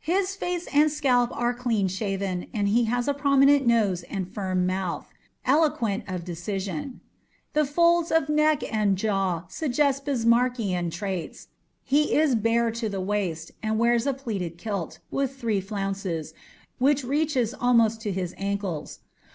His face and scalp are clean shaven, and he has a prominent nose and firm mouth, eloquent of decision. The folds of neck and jaw suggest Bismarckian traits. He is bare to the waist, and wears a pleated kilt, with three flounces, which reaches almost to his ankles.